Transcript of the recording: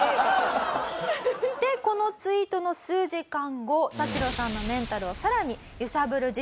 でこのツイートの数時間後タシロさんのメンタルをさらに揺さぶる事件が起きます。